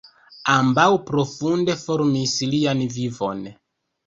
Ambaŭ profunde formis lian vivon.